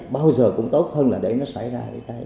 bao giờ cũng tốt hơn là để nó xảy ra